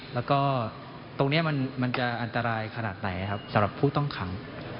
แล้วก็ตรงนี้มันจะอันตรายขนาดไหนครับสำหรับผู้ต้องขัง